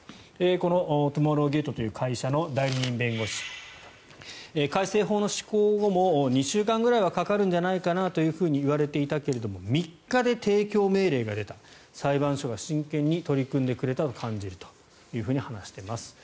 このトゥモローゲートという会社の代理人弁護士改正法の施行後も２週間ぐらいはかかるんじゃないかといわれていたけど３日で提供命令が出た裁判所が真剣に取り組んでくれたと感じていると話しています。